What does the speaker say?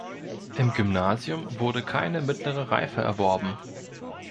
Im Gymnasium wurde keine mittlere Reife erworben.